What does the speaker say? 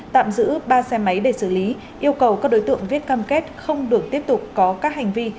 tạm giữ ba xe máy để xử lý yêu cầu các đối tượng viết cam kết không được tiếp tục có các hành vi